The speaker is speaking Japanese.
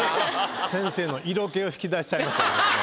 先生の色気を引き出しちゃいましたね。